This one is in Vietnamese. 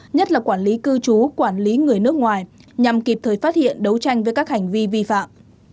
nhất là quản lý cư trú quản lý người nước ngoài nhằm kịp thời phát hiện đấu tranh với các hành vi vi phạm